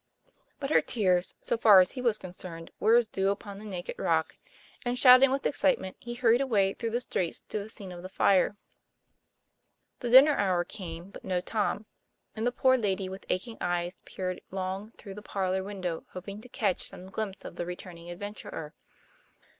But her tears (so far as he was concerned) were as dew upon the naked rock ; and, shouting with excitement, he hurried away through the streets to the scene of the fire. The dinner hour came, but no Tom; and the poor lady with aching eyes peered long through the parlor window hoping to catch some glimpse of the return ing adventurer.